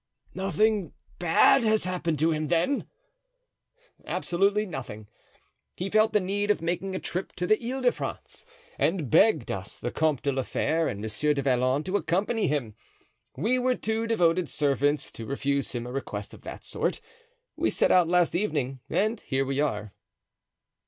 "Nothing bad has happened to him, then?" "Absolutely nothing. He felt the need of making a trip in the Ile de France, and begged us—the Comte de la Fere and Monsieur du Vallon—to accompany him. We were too devoted servants to refuse him a request of that sort. We set out last evening and here we are."